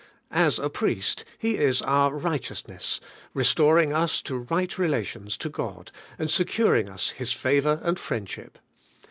As a priest, He is our righteousness, restoring us to right relations to God, and securing us His favour and friendship.